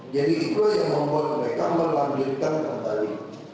jadi itulah yang membuat mereka melanjutkan kembali